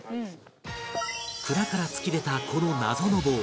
蔵から突き出たこの謎の棒